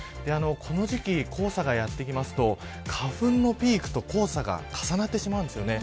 この時期、黄砂がやってきますと花粉のピークと黄砂が重なってしまうんですよね。